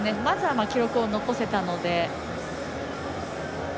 まずは記録を残せたので。